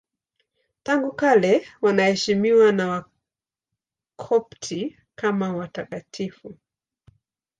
Tangu kale wanaheshimiwa na Wakopti kama watakatifu.